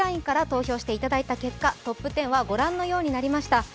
ＬＩＮＥから投票していただいた結果、トップ１０はご覧のようになりました。